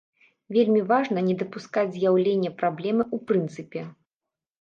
Вельмі важна не дапускаць з'яўлення праблемы ў прынцыпе.